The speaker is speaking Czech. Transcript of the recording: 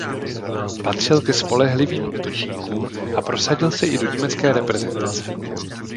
Patřil ke spolehlivým útočníkům a prosadil se i do německé reprezentace.